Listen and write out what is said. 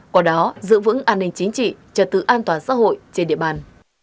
quả đó giữ vững an ninh chính trị trật tự an toàn xã hội trên địa bàn